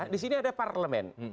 di sini ada parlemen